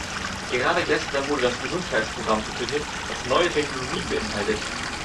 Gerade gestern wurde das Gesundheitsprogramm verkündet, das neue Technologien beinhaltet.